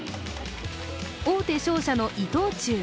大手商社の伊藤忠。